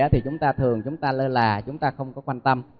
thì chúng ta thường chúng ta lơ là chúng ta không có quan tâm